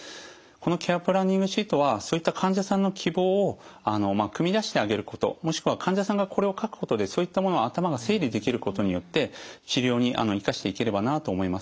このケア・プランニングシートはそういった患者さんの希望をくみ出してあげることもしくは患者さんがこれを書くことでそういったものを頭が整理できることによって治療に生かしていければなと思います。